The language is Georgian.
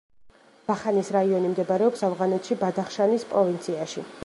ვახანის რაიონი მდებარეობს ავღანეთში ბადახშანის პროვინციაში.